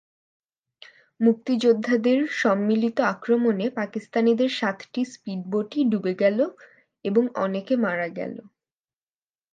মুক্তিযোদ্ধাদের সম্মিলিত আক্রমণে পাকিস্তানিদের সাতটি স্পিডবোটই ডুবে গেল এবং অনেকে মারা গেল।